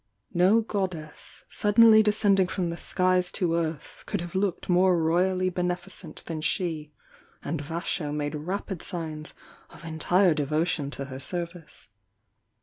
No goddess, suddenly descending from the skies to earth, could have looked more royally beneficent than she, and Vasho made rapid signs of entire devotion to her service.